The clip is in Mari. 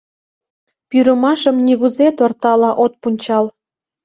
Пӱрымашым нигузе тортала от пунчал.